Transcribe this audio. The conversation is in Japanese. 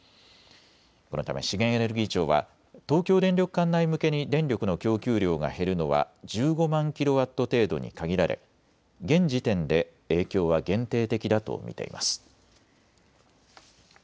このため資源エネルギー庁は東京電力管内向けに電力の供給量が減るのは１５万キロワット程度に限られ現時点で影響は限定的だと見ています。